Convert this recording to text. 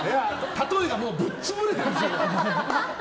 例えがもうぶっ潰れてるんですよ。